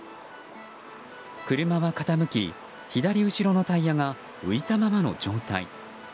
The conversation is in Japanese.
車は傾き、左後ろのタイヤが浮いたままの状態。